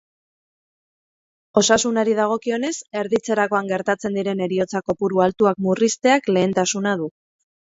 Osasunari dagokionez, erditzerakoan gertatzen diren heriotza-kopuru altuak murrizteak lehentasuna du.